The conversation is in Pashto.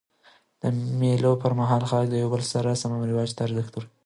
د مېلو پر مهال خلک د یو بل رسم و رواج ته ارزښت ورکوي.